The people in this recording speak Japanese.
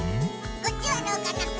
こっちはどうかな？